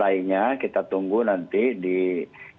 nanti dimulainya kita tunggu nanti di empat pekan kedua